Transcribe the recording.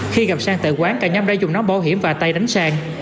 khi gặp sang tại quán cả nhóm đã dùng nón bảo hiểm và tay đánh sang